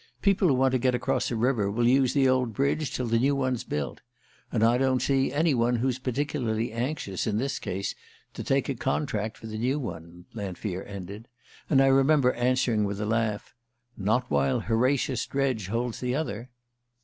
People who want to get across a river will use the old bridge till the new one's built. And I don't see any one who's particularly anxious, in this case, to take a contract for the new one," Lanfear ended; and I remember answering with a laugh: "Not while Horatius Dredge holds the other."